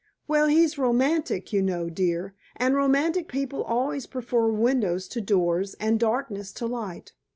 "Well, he's romantic, you know, dear. And romantic people always prefer windows to doors and darkness to light.